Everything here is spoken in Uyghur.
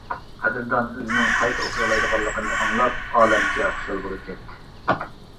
قەدىردان ئۆزىنىڭ قايتا ئوقۇيالايدىغانلىقىنى ئاڭلاپ ئالەمچە خۇشال بولۇپ كەتتى.